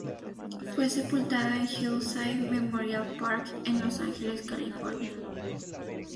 Fue sepultada en Hillside Memorial Park en Los Angeles, California.